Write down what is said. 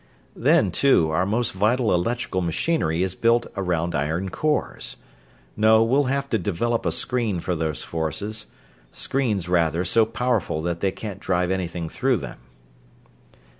"Then, too, our most vital electrical machinery is built around iron cores. No, we'll have to develop a screen for those forces screens, rather, so powerful that they can't drive anything through them."